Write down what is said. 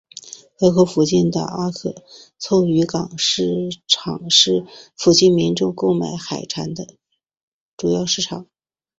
河口附近的那珂凑渔港鱼市场是附近民众购买海产的主要市场。